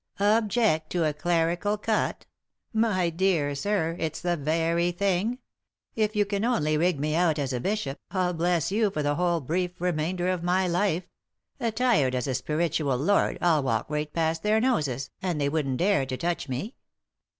" Object to a clerical cut 1 — my dear sir, it's the very thing 1 If you can only rig me out as a bishop 111 bless you for the whole brief remainder of my life—attired as a spiritual lord I'd walk right past their noses, and they wouldn't dare to touch me.